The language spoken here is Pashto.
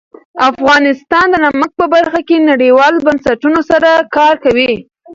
افغانستان د نمک په برخه کې نړیوالو بنسټونو سره کار کوي.